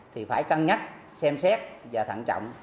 thì phải cân nhắc xem xét và thận trọng